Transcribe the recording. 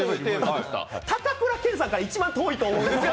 高倉健さんから一番遠いとおもうんですけど。